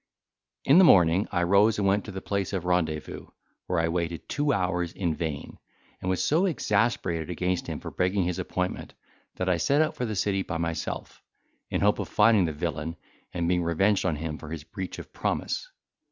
In the morning I rose and went to the place of rendezvous, where I waited two hours in vain, and was so exasperated against him for breaking his appointment, that I set out for the city by myself, in hope of finding the villain, and being revenged on him for his breach of promise.